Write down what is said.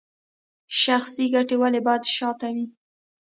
شخصي ګټې ولې باید شاته وي؟